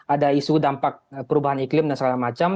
ada isu dampak perubahan iklim dan segala macam